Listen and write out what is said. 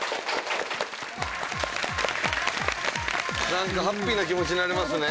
なんかハッピーな気持ちになれますね。